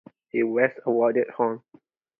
He was awarded Hon.